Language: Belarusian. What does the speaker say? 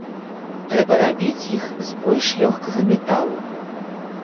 Трэба рабіць іх з больш лёгкага металу.